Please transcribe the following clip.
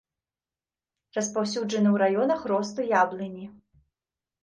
Распаўсюджаны ў раёнах росту яблыні.